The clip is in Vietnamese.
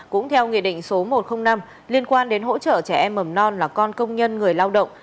cũng theo nghị định số một trăm linh năm liên quan đến hỗ trợ trẻ em mầm non là con công nhân người lao động